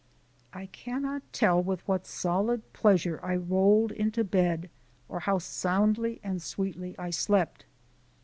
I cannot tell with what solid pleasure I rolled into bed or how soundly and sweetly I slept.